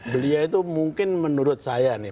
beliau itu mungkin menurut saya nih